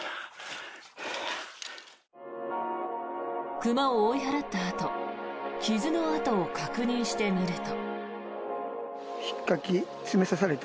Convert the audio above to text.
熊を追い払ったあと傷の痕を確認してみると。